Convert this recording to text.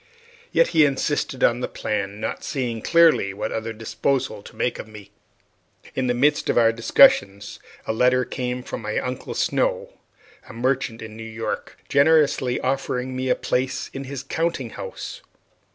Yet he insisted on the plan, not seeing clearly what other disposal to make of me. In the midst of our discussions a letter came from my Uncle Snow, a merchant in New York, generously offering me a place in his counting house.